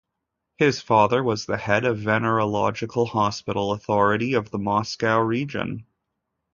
His father was the head of venerological hospital authority of the Moscow region.